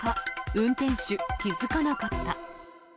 運転手、気付かなかった。